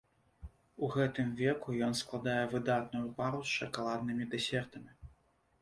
У гэтым веку ён складае выдатную пару з шакаладнымі дэсертамі.